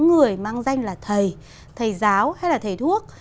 người mang danh là thầy thầy giáo hay là thầy thuốc